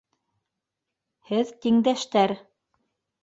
Һеҙ тиңдәштәр.